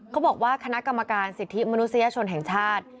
เขาบอกว่าคณะกรรมการสิทธิมนุษยชนแห่งชาติ